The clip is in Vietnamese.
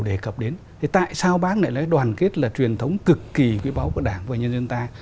bác hồ đề cập đến tại sao bác lại nói đoàn kết là truyền thống cực kỳ ghi báo của đảng và nhân dân ta